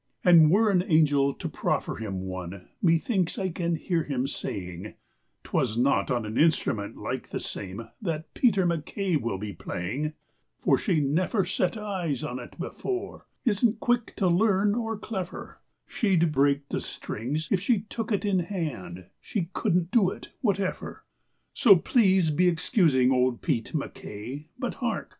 And were an angel to proffer him one, Methinks I can hear him saying: "'Twas not on an instrument like the same That Pete MacKay will be playing, "For she neffer set eyes on it before, Isn't quick to learn, or cleffer; She'd break the strings if she took it in hand, She couldn't do it, whateffer. "So please be excusing old Pete MacKay But hark!